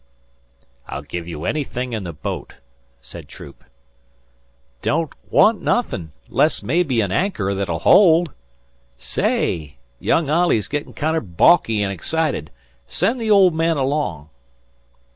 "I'll give you anything in the boat," said Troop. "Don't want nothin', 'less, mebbe, an anchor that'll hold. Say! Young Olley's gittin' kinder baulky an' excited. Send the old man along."